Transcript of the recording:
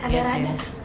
iya sih ya